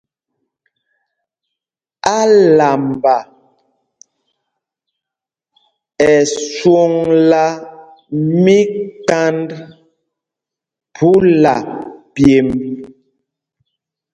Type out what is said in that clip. Álamba ɛ swɔŋla míkand phúla pyemb.